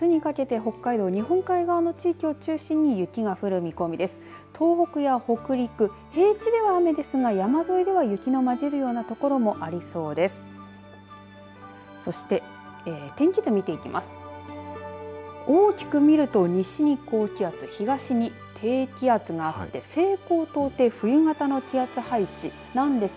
東北や北陸、平地では雨ですが山沿いでは雪のまじるような所もありそうです。